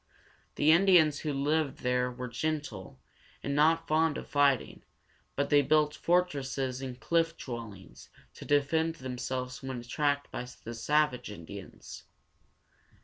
The Indians who lived there were gentle, and not fond of fighting, but they built fortresses and cliff dwellings to defend themselves when attacked by the savage Indians.